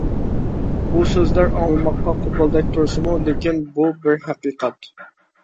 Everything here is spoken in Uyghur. بۇ سۆزلەر ئاڭلىماققا قوپالدەك تۇرسىمۇ، لېكىن بۇ بىر ھەقىقەت.